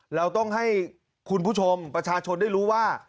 เราต้องให้คุณผู้ชมประชาชนได้รู้ว่า